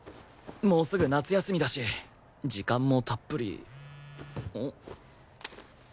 もうすぐ夏休みだし時間もたっぷりん？